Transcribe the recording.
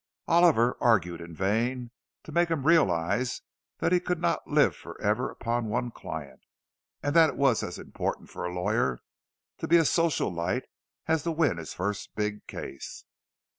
Oliver argued in vain to make him realize that he could not live for ever upon one client; and that it was as important for a lawyer to be a social light as to win his first big case.